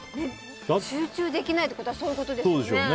集中できないってことはそういうことですよね。